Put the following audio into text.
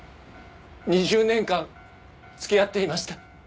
２０年間付き合っていました。